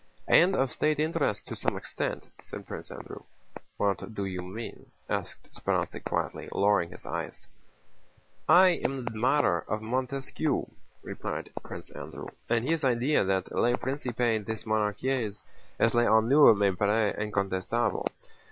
"And of state interest to some extent," said Prince Andrew. "What do you mean?" asked Speránski quietly, lowering his eyes. "I am an admirer of Montesquieu," replied Prince Andrew, "and his idea that le principe des monarchies est l'honneur me paraît incontestable.